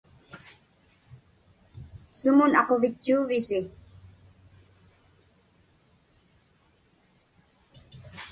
Sumun aquvitchuuvisi?